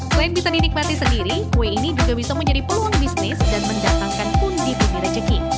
selain bisa dinikmati sendiri kue ini juga bisa menjadi peluang bisnis dan mendatangkan pundi pundi rejeki